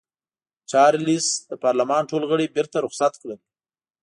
چارلېز د پارلمان ټول غړي بېرته رخصت کړل.